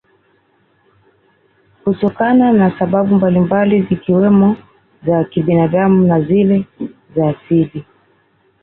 Kutokana na sababu mbalimbali zikiwemo za kibinadamu na zile za asili